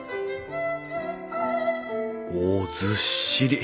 おずっしり。